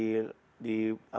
di seluruh indonesia